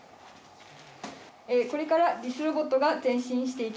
これからリスロボットが前進していきます。